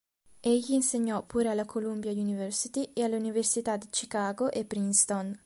Egli insegnò pure alla Columbia University e alle Università di Chicago e Princeton.